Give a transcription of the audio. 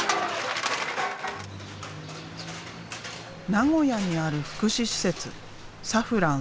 名古屋にある福祉施設さふらん